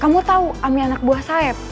kamu tahu ami anak bos saya